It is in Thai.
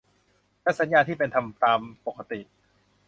และสัญญาที่เป็นธรรมตามปกติ